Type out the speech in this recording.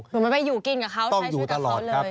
หนูไม่ไปอยู่กินกับเขาใช้ชีวิตกับเขาเลย